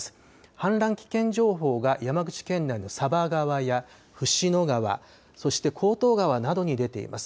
氾濫危険情報が山口県内の佐波川や椹野川そして厚東川などに出ています。